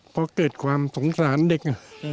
เพราะเกิดความสงสารเดิม